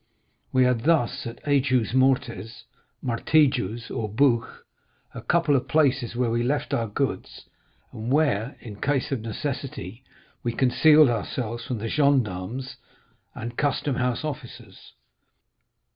We had thus, at Aigues Mortes, Martigues, or Bouc, a dozen places where we left our goods, and where, in case of necessity, we concealed ourselves from the gendarmes and custom house officers.